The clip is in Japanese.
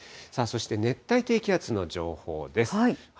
そして熱帯低気圧の情報です。